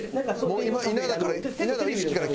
もう今稲田から。